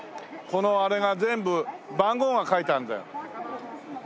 このあれが全部番号が書いてあるんだよ。